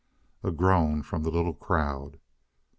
A groan from the little crowd.